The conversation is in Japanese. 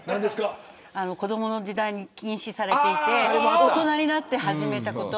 子どもの時代に禁止されていて大人になって始めたこと。